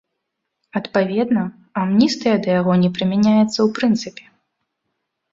Адпаведна, амністыя да яго не прымяняецца ў прынцыпе.